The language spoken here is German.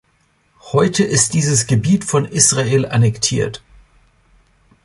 Heute ist dieses Gebiet von Israel annektiert.